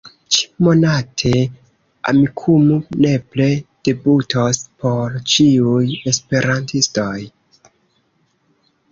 Ĉi-monate, Amikumu nepre debutos por ĉiuj esperantistoj.